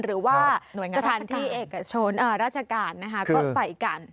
หรือว่าสถานที่เอกชนราชการก็ใส่กัน